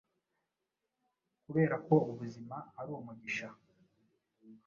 Kuberako ubuzima ari umugisha,